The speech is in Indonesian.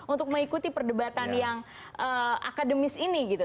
untuk mengikuti perdebatan yang akademis ini gitu